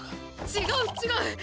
違う違う！